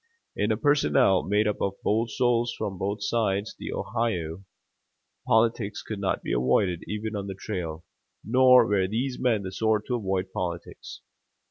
In a personnel made up of bold souls from both sides the Ohio, politics could not be avoided even on the trail; nor were these men the sort to avoid politics.